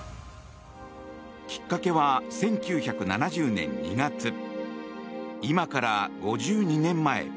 きっかけは１９７０年２月今から、５２年前。